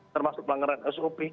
termasuk pelanggaran sop